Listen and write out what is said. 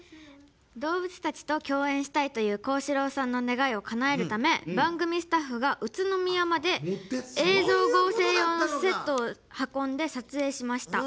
動物たちと共演したいという皓志郎さんの願いをかなえるため番組スタッフが宇都宮まで映像合成用のセットを運んで撮影しました。